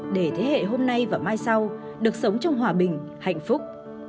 để thế hệ hôm nay và mai sau được sống trong hòa bình hạnh phúc